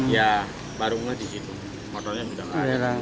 ya baru ngeh di situ motornya juga gak ada